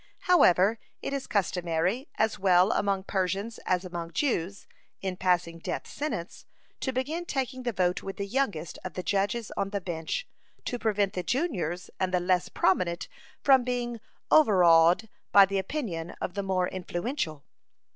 However, it is customary, as well among Persians as among Jews, in passing death sentence, to begin taking the vote with the youngest of the judges on the bench, to prevent the juniors and the less prominent from being overawed by the opinion of the more influential.